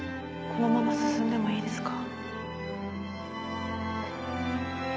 このまま進んでもいいですか？